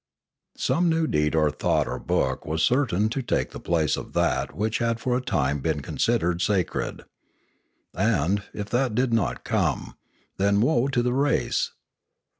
Some new deed or thought or book was certain to take the place of that which had for a time been con sidered sacred. And, if that did not come, then woe to the race!